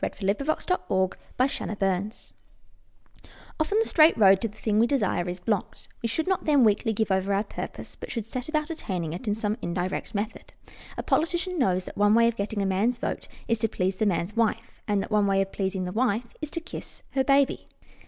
_ IF YOU CAN'T GO OVER OR UNDER, GO ROUND Often the straight road to the thing we desire is blocked. We should not then weakly give over our purpose, but should set about attaining it by some indirect method. A politician knows that one way of getting a man's vote is to please the man's wife, and that one way of pleasing the wife is to kiss her baby.